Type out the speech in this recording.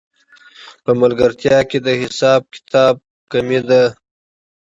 په ملګرتیا کې د حساب کتاب کمی دی